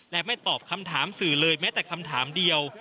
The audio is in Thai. และไม่ตอบคำถามสื่อเลยแม้แต่คำถามเดียว